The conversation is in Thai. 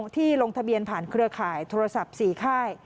ที่ลงทะเบียนผ่านเครือข่ายโทรศัพท์๔ค่าย